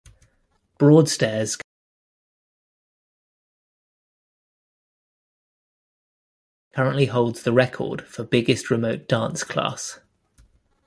Broadstairs currently holds the record for biggest remote dance class.